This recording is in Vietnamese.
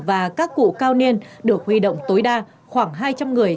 và các cụ cao niên được huy động tối đa khoảng hai trăm linh người